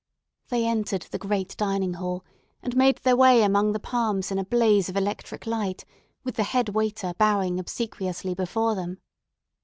They entered the great dining hall, and made their way among the palms in a blaze of electric light, with the head waiter bowing obsequiously before them.